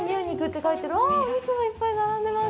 うわぁ、お肉がいっぱい並んでます。